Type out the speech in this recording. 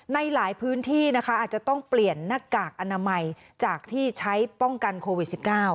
ในหลายพื้นที่นะคะอาจจะต้องเปลี่ยนหน้ากากอนามัยจากที่ใช้ป้องกันโควิด๑๙